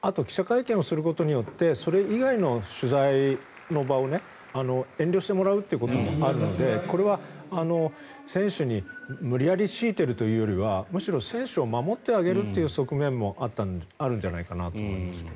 あと記者会見をすることによってそれ以外の取材の場を遠慮してもらうということもあるのでこれは選手に無理やり強いているというよりはむしろ選手を守ってあげるという側面もあるんじゃないかなと思いますね。